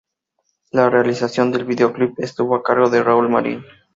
La realización del videoclip estuvo a cargo de Raúl Marín.